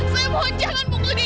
saya mohon jangan pukul dia